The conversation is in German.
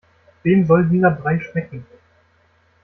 Wem soll dieser Brei schmecken?